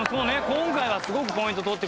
今回はすごくポイント取ってくれましたね。